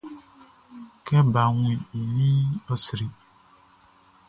Kɛ baʼn wun i ninʼn, ɔ sri.